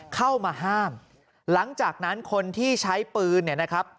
เข้ามาห้ามหลังจากนั้นคนที่ใช้ปืนเนี่ยนะครับ